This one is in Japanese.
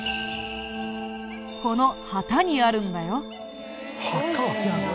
この旗にあるんだよ。